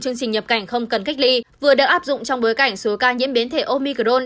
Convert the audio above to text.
chương trình nhập cảnh không cần cách ly vừa được áp dụng trong bối cảnh số ca nhiễm biến thể omicron